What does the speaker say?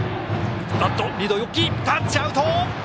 タッチアウト！